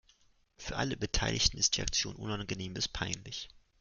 Für alle Beteiligten ist die Aktion unangenehm bis peinlich.